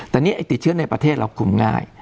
แต่นี่ไอ้ติดเชื้อในประเทศเราคุมง่าย